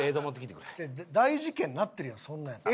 大事件になってるやろそんなんやったら。